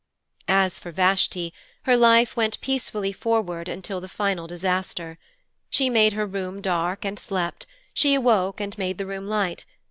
As for Vashti, her life went peacefully forward until the final disaster. She made her room dark and slept; she awoke and made the room light.